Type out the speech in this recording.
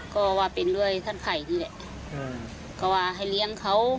ก็ว่าเห็นเรื่อยตั้งใครอย่างเงี้ยก็ว่าให้เลี้ยงเขา